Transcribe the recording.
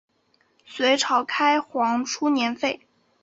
隋朝开皇初年废。